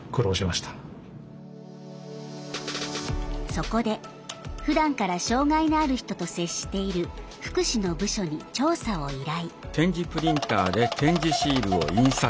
そこでふだんから障害のある人と接している福祉の部署に調査を依頼。